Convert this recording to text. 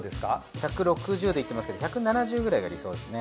１６０でいってますけど１７０くらいが理想ですね。